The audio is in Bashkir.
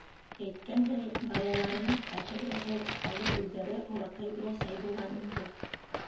Әйткәндәй, балаларының ҡайһы береһе хәҙер үҙҙәре олатай-өләсәй булған инде.